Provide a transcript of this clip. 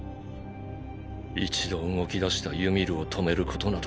一度動きだしたユミルを止めることなど。